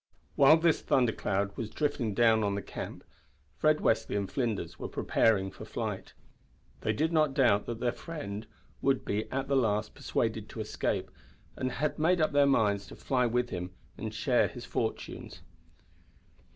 While this thunder cloud was drifting down on the camp, Fred Westly and Flinders were preparing for flight. They did not doubt that their friend would at the last be persuaded to escape, and had made up their minds to fly with him and share his fortunes.